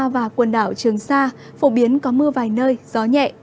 và quần đảo trường sa phổ biến có mưa vài nơi gió nhẹ